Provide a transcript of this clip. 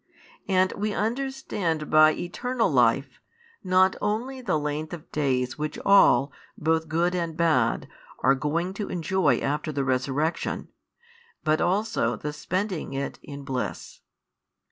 And we understand by eternal life, not [only] the length of days which all, both good and bad, are going to enjoy after the resurrection, but also the spending it in bliss.